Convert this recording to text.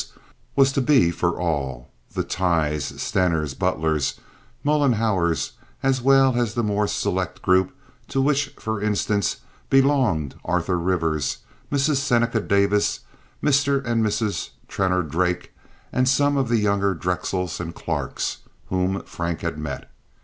's, was to be for all—the Tighes, Steners, Butlers, Mollenhauers, as well as the more select groups to which, for instance, belonged Arthur Rivers, Mrs. Seneca Davis, Mr. and Mrs. Trenor Drake, and some of the younger Drexels and Clarks, whom Frank had met.